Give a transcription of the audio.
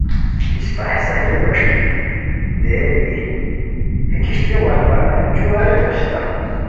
اِسپہ ہے ساحلو وݰکی دے بی ہے کشتیو وال باک ہے جُوالیان دوسیتام